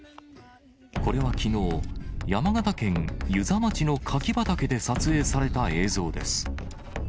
これはきのう、山形県遊佐町の柿畑で撮影された映像です。